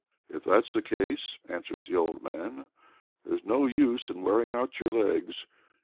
"If that's the case," answers the old man, "there's no use in wearing out your legs.